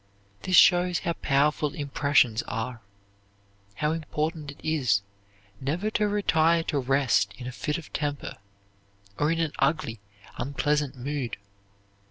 This shows how powerful impressions are; how important it is never to retire to rest in a fit of temper, or in an ugly, unpleasant mood.